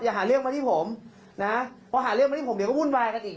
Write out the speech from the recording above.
พอหาเรื่องมาที่ผมเดี๋ยวก็วุ่นไบกันอีก